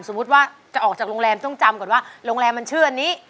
ว่าจะออกจากโรงแรมต้องจำก่อนว่าโรงแรมมันชื่ออันนี้